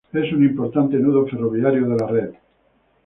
Es un importante nudo ferroviario de la red.